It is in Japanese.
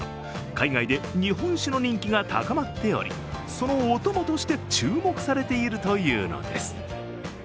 海外で日本酒の人気が高まっておりそのお供として注目されているというのです。